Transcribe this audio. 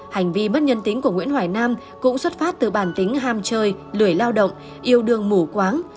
hành vi mất nhân tính của nguyễn hoài nam cũng xuất phát từ bản tính ham chơi lười lao động yêu đường mù quáng